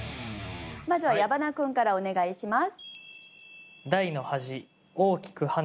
まずは矢花君からお願いします。